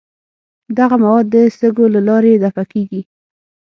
دغه مواد د سږو له لارې دفع کیږي.